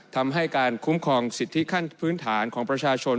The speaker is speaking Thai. ทำให้การคุ้มครองสิทธิขั้นพื้นฐานของประชาชน